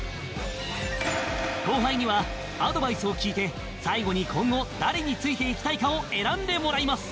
後輩にはアドバイスを聞いて最後に今後誰についていきたいかを選んでもらいます